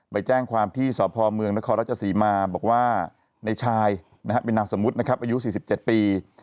ไปแจ้งความที่สอบพอร์เมืองนครราชสีมาบอกว่าในชายนะฮะเป็นนามสมมุตินะครับอายุสี่สิบเจ็ดปี